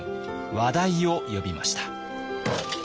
話題を呼びました。